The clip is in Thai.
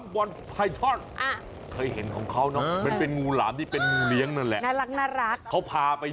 เป็นชายาเขา